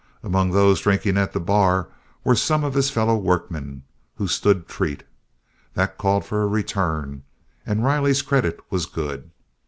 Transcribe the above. Among those drinking at the bar were some of his fellow workmen, who stood treat. That called for a return, and Riley's credit was good.